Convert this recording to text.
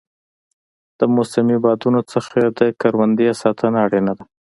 د موسمي بادونو څخه د کروندې ساتنه اړینه ده.